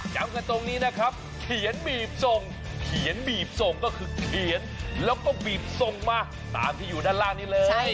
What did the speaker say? จำกันตรงนี้นะครับเขียนบีบส่งเขียนบีบส่งก็คือเขียนแล้วก็บีบส่งมาตามที่อยู่ด้านล่างนี้เลย